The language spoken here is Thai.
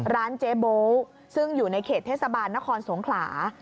ร้านเจ๊โบ๊ซึ่งอยู่ในเขตเทศบาลนครสงขลา